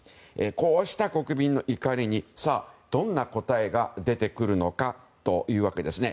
こうした国民の怒りにさあ、どんな答えが出てくるのかというわけですね。